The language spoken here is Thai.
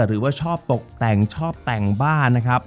หรือว่าชอบตกแต่งชอบแต่งบ้านนะครับ